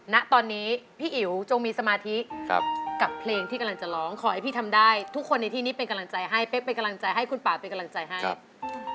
ณตอนนี้พี่อิ๋วจงมีสมาธิกับเพลงที่กำลังจะร้องขอให้พี่ทำได้ทุกคนในที่นี้เป็นกำลังใจให้เป๊กเป็นกำลังใจให้คุณป่าเป็นกำลังใจให้